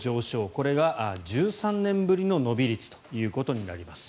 これが１３年ぶりの伸び率ということになります。